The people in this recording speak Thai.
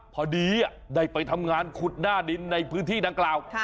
พอดีได้ไปทำงานขุดหน้าดินในพื้นที่ดังกล่าว